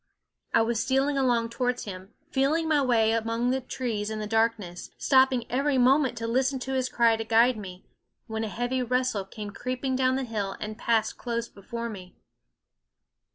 I was stealing along towards him, feeling my way among the trees in the darkness, stopping every moment to listen to his cry to guide me, when a heavy rustle came creeping down the hill and passed close before me.